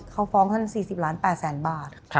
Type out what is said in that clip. เขาฟ้องท่าน๔๐ล้าน๘แสนบาท